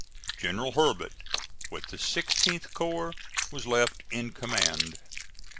General Hurlbut with the 16th corps was left in command.